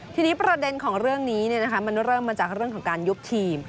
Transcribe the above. ทีนี้ประเด็นของเรื่องนี้มันเริ่มมาจากเรื่องของการยุบทีม